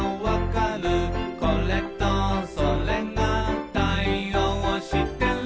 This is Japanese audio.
「これとそれが対応してる」